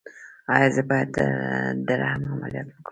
ایا زه باید د رحم عملیات وکړم؟